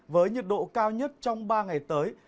với nhiệt độ cao nhất trong ba ngày tới